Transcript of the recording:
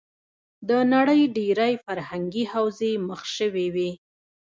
د نړۍ ډېری فرهنګې حوزې مخ شوې وې.